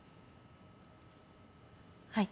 はい。